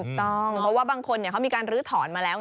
ถูกต้องเพราะว่าบางคนเขามีการลื้อถอนมาแล้วไง